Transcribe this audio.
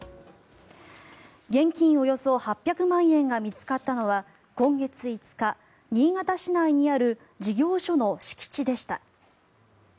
現金およそ８００万円が見つかったのは今月５日、新潟市内にある事業所の敷地でした。